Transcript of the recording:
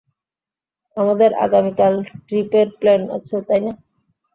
আমাদের আগামীকাল ট্রিপের প্ল্যান আছে, তাই না?